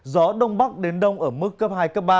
gió đông bắc đến đông ở mức cấp hai cấp ba